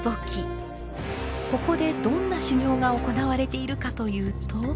ここでどんな修行が行われているかというと。